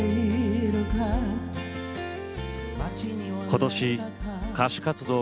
ことし、歌手活動